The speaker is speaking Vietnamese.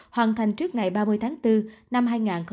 hoàn thành trước ngày ba mươi tháng bốn năm hai nghìn hai mươi